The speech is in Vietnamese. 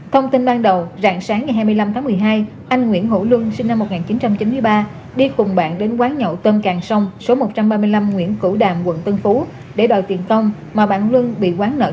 thông tin ban đầu rạng sáng ngày hai mươi năm tháng một mươi hai anh nguyễn hữu luân sinh năm một nghìn chín trăm chín mươi ba đi cùng bạn đến quán nhậu tân càng sông số một trăm ba mươi năm nguyễn cửu đàm quận tân phú để đòi tiền công mà bạn luân bị quán nợ